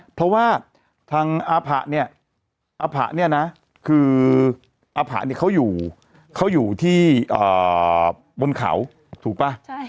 เพราะว่าทางอาผะเนี่ยอาผะเนี่ยนะคืออภะเนี่ยเขาอยู่เขาอยู่ที่บนเขาถูกป่ะ